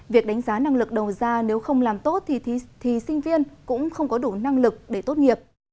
việc đánh giá năng lực đầu ra nếu không làm tốt thì sinh viên cũng không có đủ năng lực để tốt nghiệp